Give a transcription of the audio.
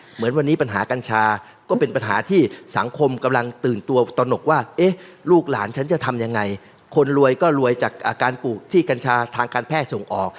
เหมือนวันนี้ปัญหากัญชาก็เป็นปัญหาที่สังคมกำลังตื่นตัวตนกว่าเอ๊ะลูกหลานฉันจะทำยังไงคนรวยก็รวยจากอาการปลูกที่กัญชาทางการแพทย์ส่งออก